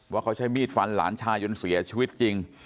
ว่าเขาใช้มีดฟันหลานชายจนเสียชีวิตจริง